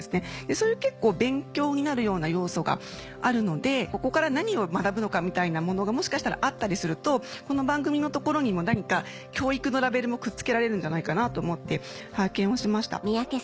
そういう結構勉強になるような要素があるのでここから何を学ぶのかみたいなものがもしかしたらあったりするとこの番組のところにも何か教育のラベルもくっつけられるんじゃないかなと思って拝見をしました。